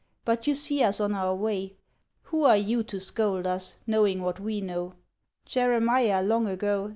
But you see us on our way. Who are you to scold us. Knowing what we know? Jeremiah, long ago.